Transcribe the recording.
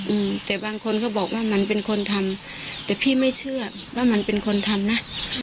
อืมแต่บางคนเขาบอกว่ามันเป็นคนทำแต่พี่ไม่เชื่อว่ามันเป็นคนทำนะ